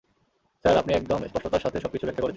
Sir, আপনি একদম স্পষ্টতার সাথে সবকিছু ব্যাখ্যা করেছেন।